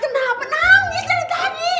nangis dari tadi